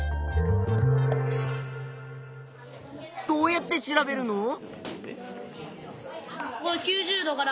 どうやって調べるの？